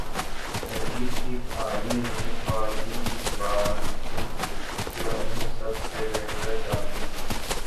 قندیل کی کہانی ان خواتین کی زبانی جو انہیں سب سےبہتر جانتی تھیں